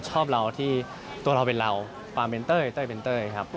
ชอบเราที่ตัวเราเป็นเราความเป็นเต้ยเต้ยเป็นเต้ยครับ